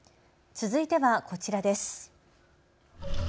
続いてはこちらです。